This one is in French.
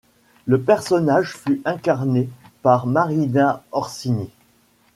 Le personnage fut incarné par Marina Orsini.